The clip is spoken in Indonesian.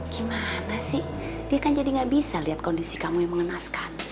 gimana sih dia kan jadi gak bisa lihat kondisi kamu yang mengenaskan